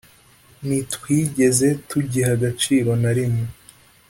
ntitwigeze tugiha agaciro na rimwe